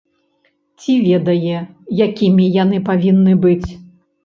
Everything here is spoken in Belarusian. Ці ведае, якімі яны павінны быць.